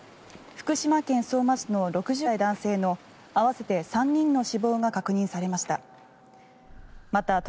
福島県相馬市の６０代男性の合わせて３人の死亡が確認されました。